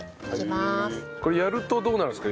これやるとどうなるんですか？